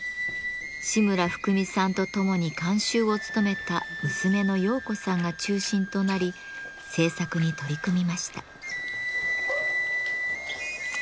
志村ふくみさんとともに監修を務めた娘の洋子さんが中心となり制作に取り組みました。